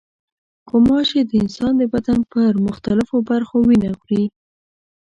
غوماشې د انسان د بدن پر مختلفو برخو وینه خوري.